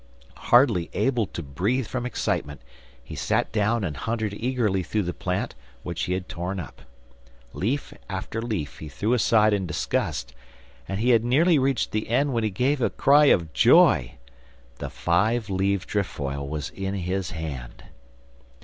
Hardly able to breathe from excitement, he sat down and hunted eagerly through the plant which he had torn up. Leaf after leaf he threw aside in disgust, and he had nearly reached the end when he gave a cry of joy the five leaved trefoil was in his hand.